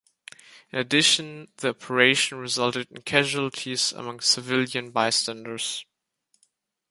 In addition, the operation resulted in casualties among civilian bystanders.